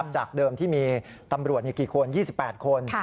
จากเดิมที่มีตำรวจกี่คน๒๘คน